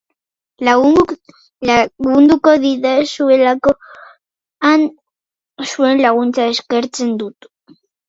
Lagunduko didazuelakoan, zuen laguntza eskertzen dut.